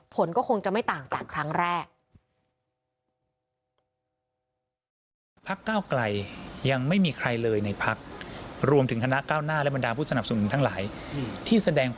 ผลก็คงจะไม่ต่างจากครั้งแรก